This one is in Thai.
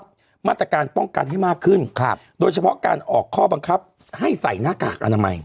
ก่อชับมาตรการป้องกันให้ให้มากขึ้นโดยเฉพาะการออกพว่าบังคับให้ใส่หน้ากากอนามัย